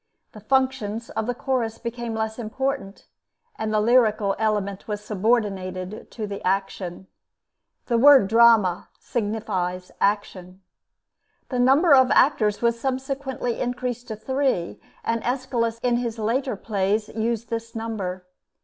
The functions of the chorus became less important, and the lyrical element was subordinated to the action. (The word "drama" signifies action.) The number of actors was subsequently increased to three, and Aeschylus in his later plays used this number.